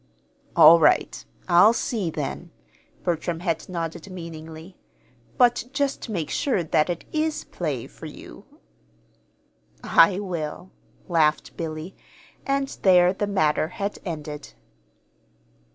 "All right, I'll see, then," Bertram had nodded meaningly. "But just make sure that it is play for you!" "I will," laughed Billy; and there the matter had ended.